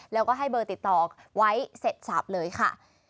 แล้วก็ให้เบอร์ติดต่อไว้เสร็จสับเลยค่ะ